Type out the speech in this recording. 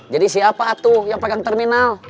jadi siapa tuh yang pegang terminal